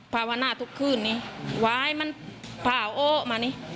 ภาวนาทุกคืนนี้วายมันผ่าโอ้มานี่